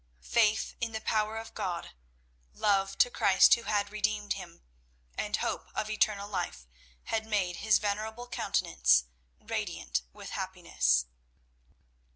Faith in the power of God, love to Christ who had redeemed him, and hope of eternal life, had made his venerable countenance radiant with happiness.